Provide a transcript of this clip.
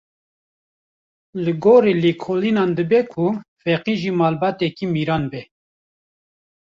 Li gorî lêkolînan dibe ku Feqî ji malbateke mîran be.